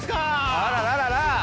あらららら。